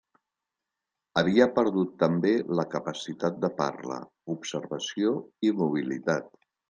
Havia perdut també la capacitat de parla, observació i mobilitat.